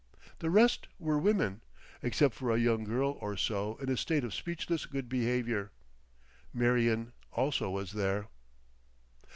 The rest were women, except for a young girl or so in a state of speechless good behaviour. Marion also was there.